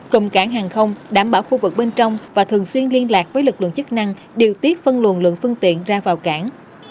cùng cảng hàng không đảm bảo khu vực bên trong và thường xuyên liên lạc với lực lượng chức năng điều tiết phân luồn lượng phương tiện ra vào cảng